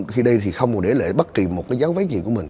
khi đây thì không để lại bất kỳ một cái giáo vết gì của mình